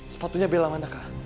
sepatunya bella mana kak